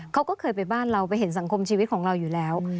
เขาก็เคยไปบ้านเราไปเห็นสังคมชีวิตของเราอยู่แล้ว